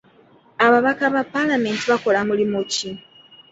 Ababaka ba paalamenti bakola mulimu ki?